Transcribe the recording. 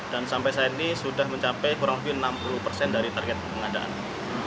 dan sampai saat ini sudah mencapai kurang lebih enam puluh persen dari target pengadaan